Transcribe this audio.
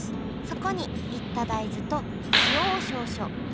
そこに煎った大豆と塩を少々。